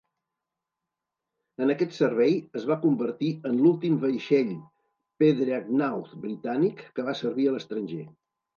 En aquest servei, es va convertir en l'últim vaixell predreadnought britànic que va servir a l'estranger.